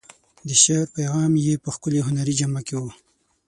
د شعر پیغام یې په ښکلې هنري جامه کې و.